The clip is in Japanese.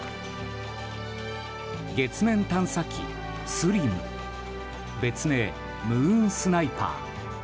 月面探査機「ＳＬＩＭ」別名、ムーンスナイパー。